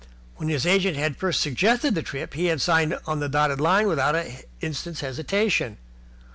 When his agent had first suggested the trip, he had signed on the dotted line without an instant's hesitation.